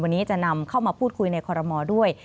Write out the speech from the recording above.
วันนี้จะนำเข้ามาพูดคุยในคอรมอลด้วย